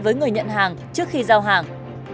với người nhận hàng trước khi giao hàng